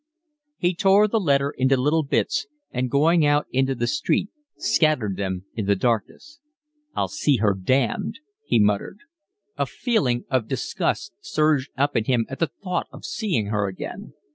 He tore the letter into little bits and going out into the street scattered them in the darkness. "I'll see her damned," he muttered. A feeling of disgust surged up in him at the thought of seeing her again.